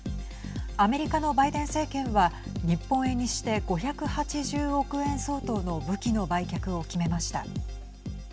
アメリカのバイデン政権は日本円にして５８０億円相当の武器の売却を決めました。